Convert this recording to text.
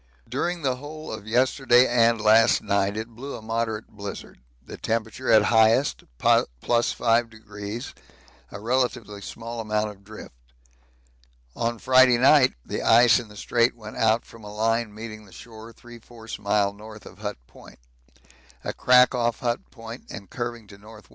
During the whole of yesterday and last night it blew a moderate blizzard the temperature at highest +5°, a relatively small amount of drift. On Friday night the ice in the Strait went out from a line meeting the shore 3/4 mile north of Hut Point. A crack off Hut Point and curving to N.W.